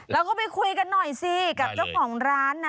แล้วก็ไปคุยกันหน่อยสิกับเจ้าของร้านนะ